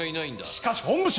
しかし本部長。